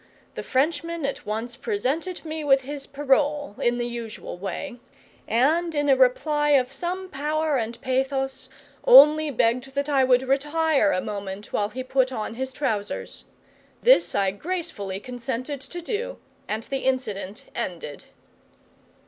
The Frenchman at once presented me with his parole, in the usual way, and, in a reply of some power and pathos, only begged that I would retire a moment while he put on his trousers. This I gracefully consented to do, and the incident ended.